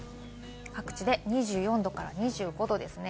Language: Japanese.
各地で２４度から２５度ですね。